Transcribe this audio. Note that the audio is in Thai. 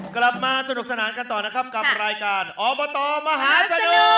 กลับมาสนุกสนานกันต่อนะครับกับรายการอบตมหาสนุก